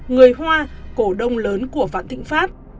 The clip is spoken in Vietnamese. người hoa cổ đông lớn của vạn thịnh pháp